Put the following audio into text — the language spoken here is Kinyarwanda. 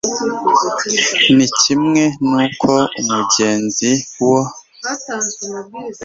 ni kimwe n uko umugenzi wo